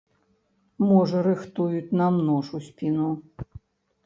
Можа рыхтуюць нам нож у спіну?